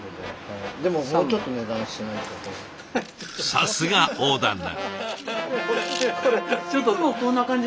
さすが大旦那。